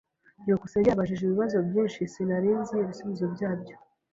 byukusenge yabajije ibibazo byinshi sinari nzi ibisubizo byabyo.